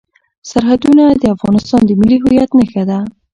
سرحدونه د افغانستان د ملي هویت نښه ده.